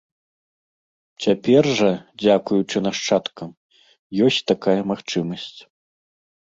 Цяпер жа, дзякуючы нашчадкам, ёсць такая магчымасць.